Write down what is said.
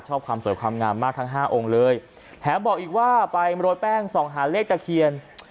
ความสวยความงามมากทั้งห้าองค์เลยแถมบอกอีกว่าไปโรยแป้งส่องหาเลขตะเคียน